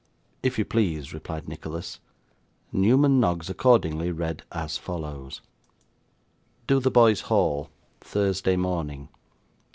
'If you please,' replied Nicholas. Newman Noggs accordingly read as follows: 'DOTHEBOYS HALL, 'THURSDAY MORNING.